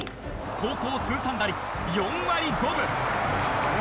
高校通算打率４割５分。